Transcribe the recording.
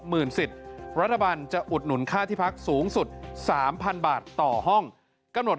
สิทธิ์รัฐบาลจะอุดหนุนค่าที่พักสูงสุด๓๐๐๐บาทต่อห้องกำหนด